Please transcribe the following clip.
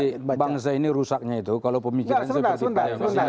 tapi bangsa ini rusaknya itu kalau pemikiran seperti itu